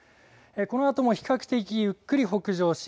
このあとも比較的ゆっくり北上し